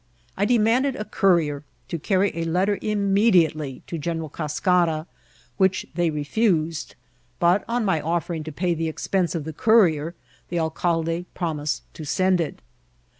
I demanded a courier, to carry a letter immediately to General Cascara, which they refused ; but, on my offering to pay the expense of the courier, the alcalde promised to send it.